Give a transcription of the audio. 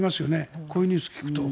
こういうニュースを聞くと。